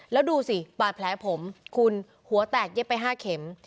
แล้วดูสิบาดแผลผมคุณหัวแตกเย็บไป๕เข็ม